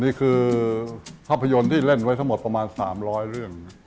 นี่คือภาพยนตร์ที่เล่นไว้ทั้งหมดประมาณ๓๐๐เรื่อง